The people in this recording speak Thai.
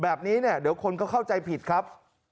แบบนี้เนี่ยเดี๋ยวคนก็เข้าใจผิดครับ